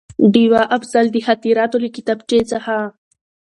ډېوه افضل: د خاطراتو له کتابچې څخه